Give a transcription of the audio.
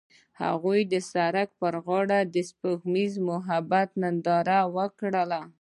هغوی د سړک پر غاړه د سپوږمیز محبت ننداره وکړه.